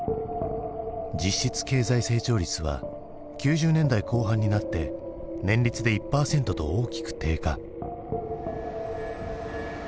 実質経済成長率は９０年代後半になって年率で１％と大きく低下。